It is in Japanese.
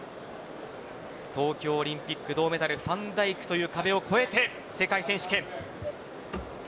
東京オリンピック銅メダルファンダイクという壁を越えて世界選手権。